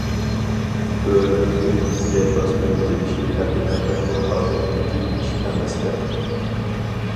بۆرىنىڭ ئۆيىمىزگە باستۇرۇپ كىرىشى ھەقىقەتەنمۇ ئادەتتىكى ئىش ئەمەستە!